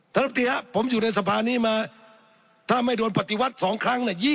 ท่านลอบถีฮะผมอยู่ในสภานี้มาถ้าไม่โดนปฏิวัฏ๒ครั้งน่ะ